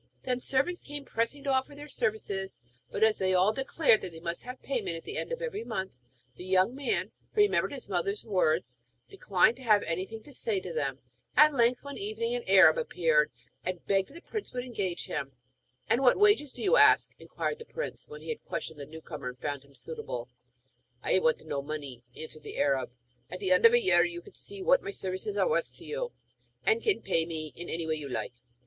Then servants came pressing to offer their services; but as they all declared that they must have payment at the end of every month, the young man, who remembered his mother's words, declined to have anything to say to them. At length, one morning, an Arab appeared and begged that the prince would engage him. 'And what wages do you ask?' inquired the prince, when he had questioned the new comer and found him suitable. 'I do not want money,' answered the Arab; 'at the end of a year you can see what my services are worth to you, and can pay me in any way you like.'